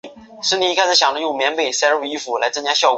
水火箭是以水的压力作为推动力来推动前进的一种模型火箭。